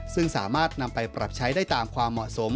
ซึ่งสามารถนำไปปรับใช้ได้ตามความเหมาะสม